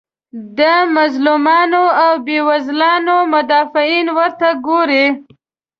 د مظلومانو او بیوزلانو مدافعین ورته ګوري.